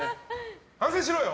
反省しろよ！